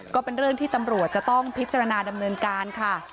ก็เป็นเรื่องที่ตำรวจจะต้องพิจารณาดำเนินการค่ะ